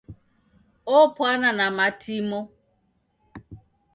Opwana na matimo.